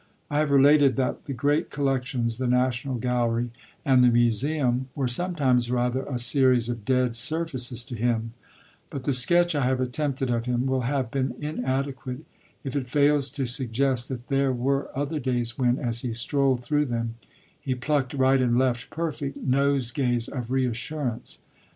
I have related that the great collections, the National Gallery and the Museum, were sometimes rather a series of dead surfaces to him; but the sketch I have attempted of him will have been inadequate if it fails to suggest that there were other days when, as he strolled through them, he plucked right and left perfect nosegays of reassurance.